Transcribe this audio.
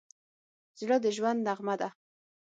زړه د ژوند نغمه ده.